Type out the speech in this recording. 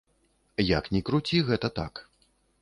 Як ні круці, гэта так.